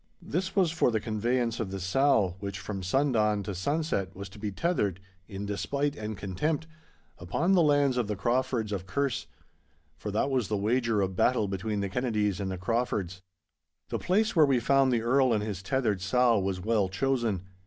This was for the conveyance of the sow, which from sundawn to sunset was to be tethered, in despite and contempt, upon the lands of the Craufords of Kerse. For that was the wager of battle between the Kennedies and the Craufords. The place where we found the Earl and his tethered sow was well chosen.